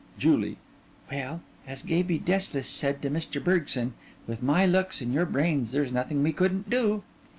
JULIE: Well, as Gaby Deslys said to Mr. Bergson, with my looks and your brains there's nothing we couldn't do.